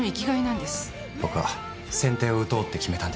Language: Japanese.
僕は先手を打とうって決めたんです。